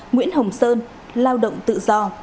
nguyễn hồng sơn lao động tự do